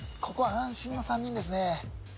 ここは安心の３人ですね